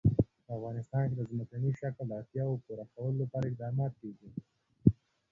په افغانستان کې د ځمکنی شکل د اړتیاوو پوره کولو لپاره اقدامات کېږي.